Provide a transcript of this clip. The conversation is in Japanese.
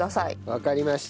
わかりました。